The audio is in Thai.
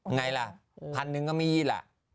ไงล่ะพันหนึ่งก็มีล่ะ